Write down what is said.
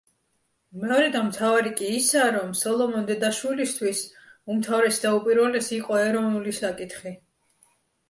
მეორე და მთავარი კი ისაა, რომ სოლომონ დოდაშვილისთვის უმთავრესი და უპირველესი იყო ეროვნული საკითხი.